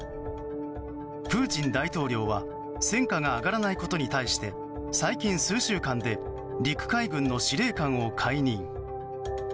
プーチン大統領は戦果が上がらないことに対して最近数週間で陸海軍の司令官を解任。